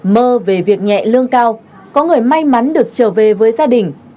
mơ về việc nhẹ lương cao có người may mắn được trở về với gia đình